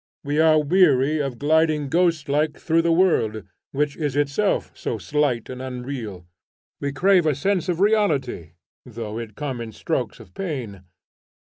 We are weary of gliding ghostlike through the world, which is itself so slight and unreal. We crave a sense of reality, though it come in strokes of pain.